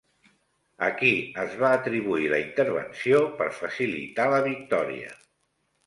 A qui es va atribuir la intervenció per facilitar la victòria?